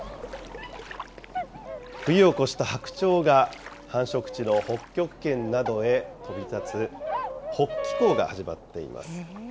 冬を越した白鳥が、繁殖地の北極圏などへ飛び立つ、北帰行が始まっています。